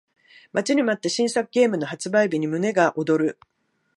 待ちに待った新作ゲームの発売日に胸が躍る